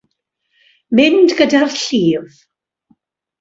Mynd gyda'r llif.